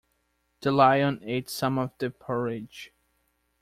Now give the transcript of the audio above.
The Lion ate some of the porridge.